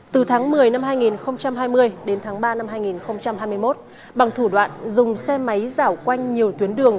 từ tháng một mươi năm hai nghìn hai mươi đến tháng ba năm hai nghìn hai mươi một bằng thủ đoạn dùng xe máy giảo quanh nhiều tuyến đường